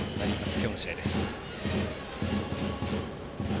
今日の試合です。